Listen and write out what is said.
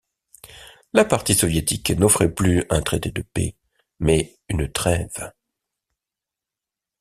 La partie soviétique n'offrait plus un traité de paix, mais une trêve.